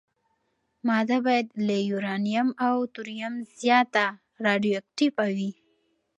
ماده باید له یورانیم او توریم زیاته راډیواکټیفه وي.